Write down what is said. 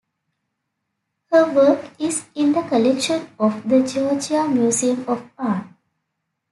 Her work is in the collection of the Georgia Museum of Art.